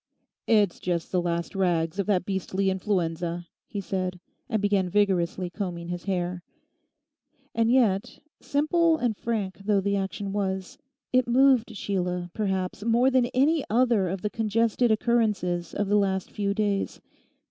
'It's just the last rags of that beastly influenza,' he said, and began vigorously combing his hair. And yet, simple and frank though the action was, it moved Sheila, perhaps, more than any other of the congested occurrences of the last few days.